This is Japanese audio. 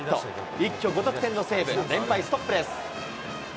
一挙５得点の西武、連敗ストップです。